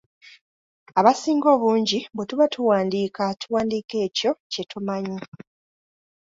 Abasinga obungi bwe tuba tuwandiika tuwandiika ekyo kye tumanyi.